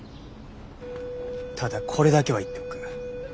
ただこれだけは言っておく。